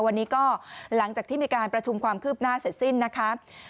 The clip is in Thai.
วันนี้ก็หลังจากที่มีการประชุมความคืบหน้าเสร็จสิ้นนะคะ